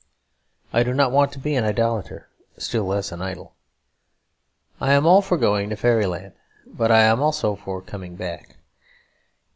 I do not want to be an idolator, still less an idol. I am all for going to fairyland, but I am also all for coming back.